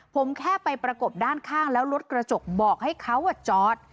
ผมแค่ไปประกบด้านข้างแล้วรถกระจกบอกให้เขาจอด